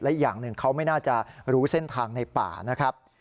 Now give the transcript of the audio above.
อีกอย่างหนึ่งเขาไม่น่าจะรู้เส้นทางในป่านะครับ